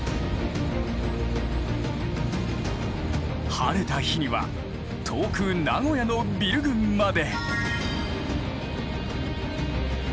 晴れた日には遠く名古屋のビル群まで。